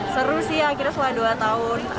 seru sih akhirnya setelah dua tahun